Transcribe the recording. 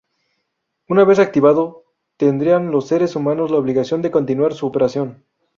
Una vez activado, ¿tendrían los seres humanos la obligación de continuar con su operación?